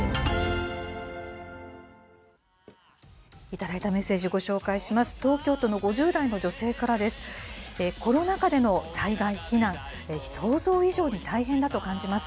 頂いたメッセージをご紹介します。